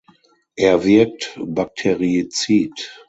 Er wirkt bakterizid.